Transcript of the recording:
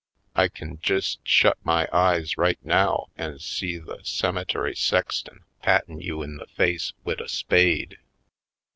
I kin jest shut my eyes right now an' see the cemetery sexton pattin' you in the face wid a spade."